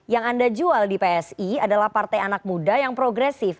yang anda jual di psi adalah partai anak muda yang progresif